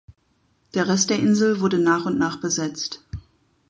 Der Rest der Insel wurde nach und nach besetzt.